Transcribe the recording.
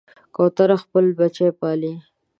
کوتره خپل بچي پالي.